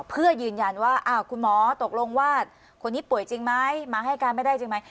เพื่อยืนยันว่าคุณหมอตกลงว่าคนนี้ป่วยจริงไหมมาให้การไม่ได้จริงไหม